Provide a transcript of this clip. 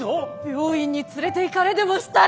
病院に連れていかれでもしたら。